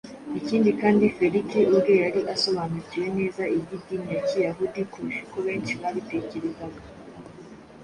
Ikindi kandi Feliki ubwe yari asobanukiwe neza iby’idini ya Kiyahudi kurusha uko benshi babitekerezaga.